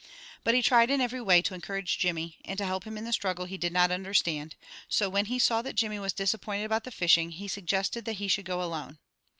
But he tried in every way to encourage Jimmy, and help him in the struggle he did not understand, so when he saw that Jimmy was disappointed about the fishing, he suggested that he should go alone.